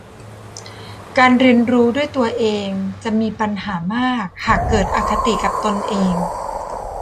การเรียนรู้ด้วยตัวเองจะมีปัญหามากหากเกิดอคติกับตนเอง